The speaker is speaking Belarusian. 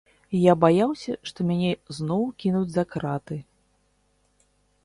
Я баяўся, што мяне зноў кінуць за краты.